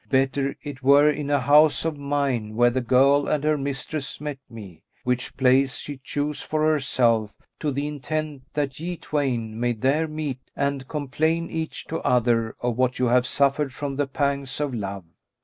Better it were in a house of mine where the girl and her mistress met me; which place she chose for herself, to the intent that ye twain may there meet and complain each to other of what you have suffered from the pangs of love."